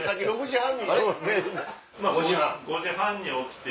５時半。